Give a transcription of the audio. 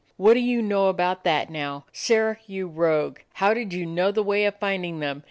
What do you know about that now? Sirrah, you rogue, how did you know the way of finding them?